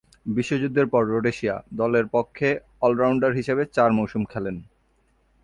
বিশ্বযুদ্ধের পর রোডেশিয়া দলের পক্ষে অল-রাউন্ডার হিসেবে চার মৌসুম খেলেন।